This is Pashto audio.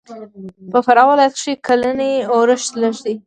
په فراه ولایت کښې کلنی اورښت لږ دی.